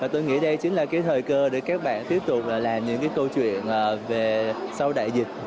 tôi nghĩ đây chính là cái thời cơ để các bạn tiếp tục làm những câu chuyện về sau đại dịch